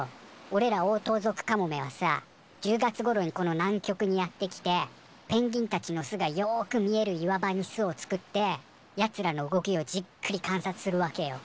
おれらオオトウゾクカモメはさ１０月ごろにこの南極にやって来てペンギンたちの巣がよく見える岩場に巣を作ってやつらの動きをじっくり観察するわけよ。